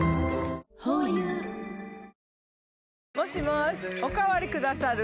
ｈｏｙｕもしもーしおかわりくださる？